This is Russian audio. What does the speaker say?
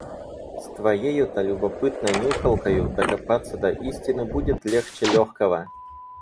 С твоею-то любопытной нюхалкою докопаться до истины будет легче лёгкого!